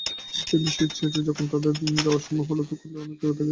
কিন্তু শীত শেষে যখন এদের যাওয়ার সময় হলো, তখন অনেকেই থেকে গেল।